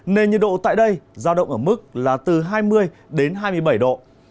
nền nhiệt độ tại đây giao động ở mức là từ hai mươi hai mươi bảy độ